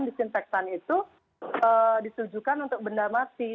disinfektan itu ditujukan untuk benda mati